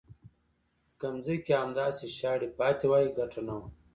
که ځمکې همداسې شاړې پاتې وای ګټه نه وه.